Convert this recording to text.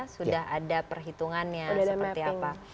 sudah ada perhitungannya seperti apa